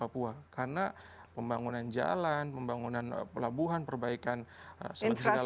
pembangunan jalan pembangunan pelabuhan perbaikan infrastruktur